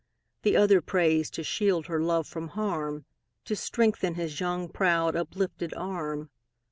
The other prays to shield her love from harm, To strengthen his young, proud uplifted arm.